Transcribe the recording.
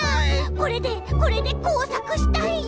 これでこれでこうさくしたいよ！